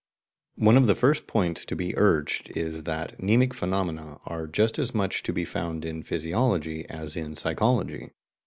One of the first points to be urged is that mnemic phenomena are just as much to be found in physiology as in psychology.